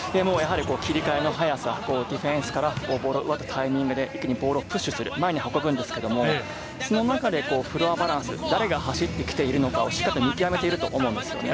切り替えの速さ、ディフェンスからボールを奪ったタイミングで一気にボールをプッシュする前に運ぶんですけど、その中でフロアバランス、誰が走ってきているのか、しっかり見極めていると思います。